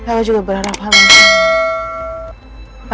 aku juga berharap hal ini akan berlaku